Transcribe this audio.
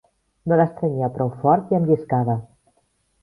No l'estrenyia prou fort i em lliscava.